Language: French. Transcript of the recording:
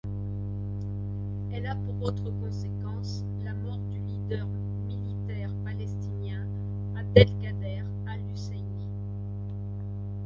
Elle a pour autre conséquence la mort du leader militaire palestinien Abdel Kader al-Husseini.